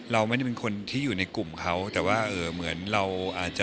เราไม่ได้เป็นคนที่อยู่ในกลุ่มเขาแต่ว่าเหมือนเราอาจจะ